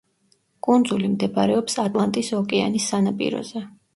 კუნძული მდებარეობს ატლანტის ოკეანის სანაპიროზე.